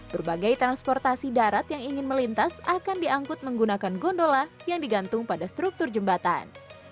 berbagai transportasi darat yang ingin melintas akan diangkut menggunakan gondola yang digantung pada struktur jembatan